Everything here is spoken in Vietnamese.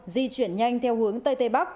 di chuyển nhanh theo hướng tây tây bắc